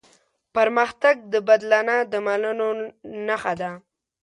پرمختګ د بدلانه د منلو نښه ده.